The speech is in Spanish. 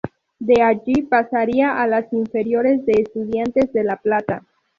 De allí pasaría a las inferiores de Estudiantes de La Plata.